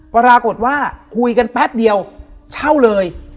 ปรากฏว่าคุยกันแป๊บเดียวเช่าเลย